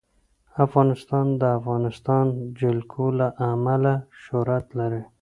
افغانستان د د افغانستان جلکو له امله شهرت لري.